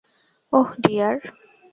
ওহ, deer.